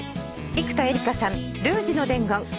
生田絵梨花さん『ルージュの伝言』